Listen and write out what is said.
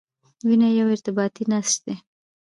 وینه یو ارتباطي نسج دی.